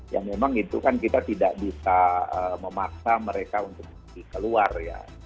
ya memang itu kan kita tidak bisa memaksa mereka untuk pergi ke luar ya